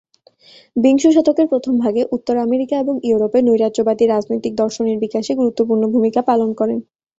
বিংশ শতকের প্রথম ভাগে উত্তর আমেরিকা এবং ইউরোপে নৈরাজ্যবাদী রাজনৈতিক দর্শনের বিকাশে গুরুত্বপূর্ণ ভূমিকা পালন করেন।